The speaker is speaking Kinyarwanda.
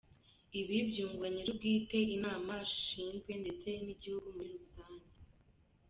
Ibi byungura nyirubwite, intama ashinzwe ndetse n igihugu muri rusange.